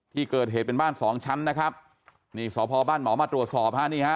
ที่เกิดเหตุเป็นบ้านสองชั้นนะครับนี่สพบ้านหมอมาตรวจสอบฮะนี่ฮะ